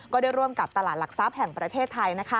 ก็ได้ร่วมกับตลาดหลักทรัพย์แห่งประเทศไทย